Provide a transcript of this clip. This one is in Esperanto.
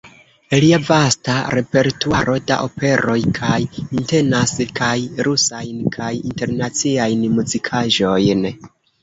Lia vasta repertuaro da operoj kaj entenas kaj rusajn kaj internaciajn muzikaĵojn.